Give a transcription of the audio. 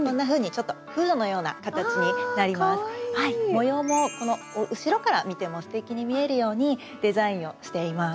模様もこの後ろから見てもすてきに見えるようにデザインをしています。